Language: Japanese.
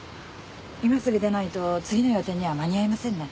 今すぐ出ないと次の予定には間に合いませんね。